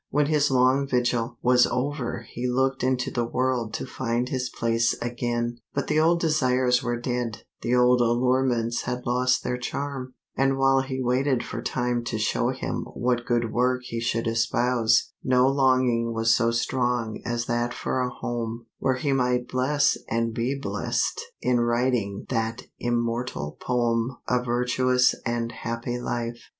When his long vigil was over he looked into the world to find his place again. But the old desires were dead, the old allurements had lost their charm, and while he waited for time to show him what good work he should espouse, no longing was so strong as that for a home, where he might bless and be blessed in writing that immortal poem a virtuous and happy life.